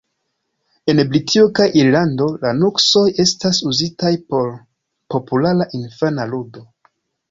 En Britujo kaj Irlando, la nuksoj estas uzitaj por populara infana ludo.